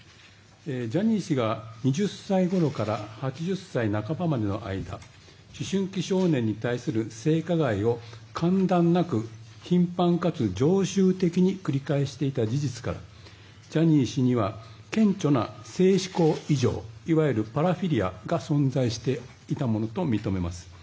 ジャニー氏が２０歳ごろから８０歳半ばまでの間思春期少年に対する性加害を間断なく頻繁かつ常習的に繰り返していた事実からジャニー氏には顕著な性嗜好異常いわゆるパラフィリアが存在していたものと認めます。